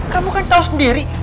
kamu kan tau sendiri